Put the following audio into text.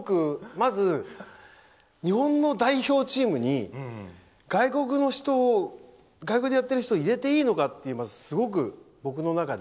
まず、日本の代表チームに外国でやってる人を入れていいのかというのがすごく僕の中で。